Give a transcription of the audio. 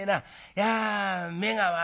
いや目が悪い